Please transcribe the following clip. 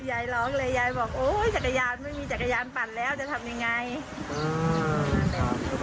ยายร้องเลยยายบอกโอ้ยจักรยานไม่มีจักรยานปั่นแล้วจะทำยังไงอืม